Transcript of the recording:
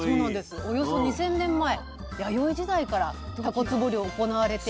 およそ２，０００年前弥生時代からたこつぼ漁行われていたと。